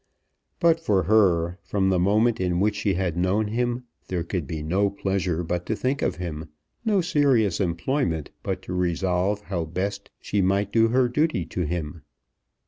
But for her, from the moment in which she had known him, there could be no pleasure but to think of him, no serious employment but to resolve how best she might do her duty to him.